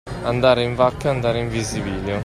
Andare in vaccaAndare in visibilio.